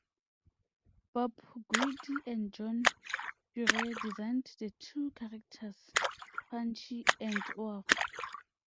Bob Guidi and John Urie designed the two characters, Punchy and Oaf.